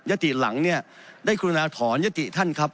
ติหลังเนี่ยได้กรุณาถอนยติท่านครับ